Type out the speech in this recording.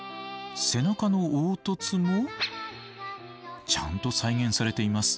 背中の凹凸もちゃんと再現されています。